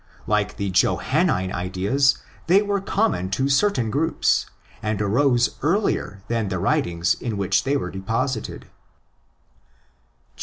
Like the "" Johannine" ideas, they were common to certain groups, and arose earlier than the writings in which they were deposited.